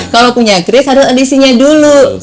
kalau punya kris harus isinya dulu